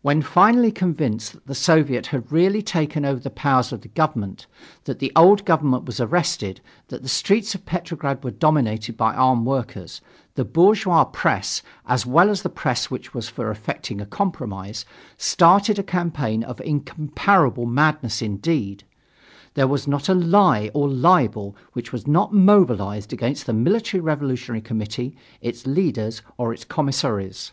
When finally convinced that the Soviet had really taken over the powers of the government, that the old government was arrested, that the streets of Petrograd were dominated by armed workers, the bourgeois press, as well as the press which was for effecting a compromise, started a campaign of incomparable madness indeed; there was not a lie or libel which was not mobilized against the Military Revolutionary Committee, its leaders or its commissaries.